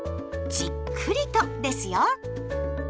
じっくりとですよ！